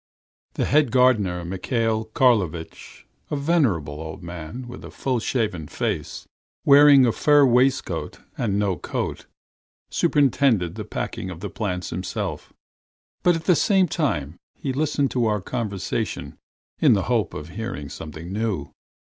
The head gardener, Mihail Karlovitch, a venerable old man with a full shaven face, wearing a fur waistcoat and no coat, superintended the packing of the plants himself, but at the same time he listened to our conversation in the hope of hearing something new.